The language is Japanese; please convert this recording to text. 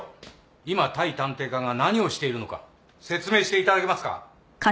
今対探偵課が何をしているのか説明していただけますか？